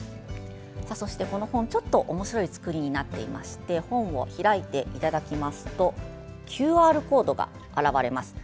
そして、この本ちょっとおもしろい作りになっていまして本を開いていただきますとＱＲコードが現れます。